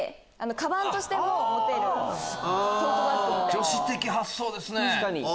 女子的発想ですね。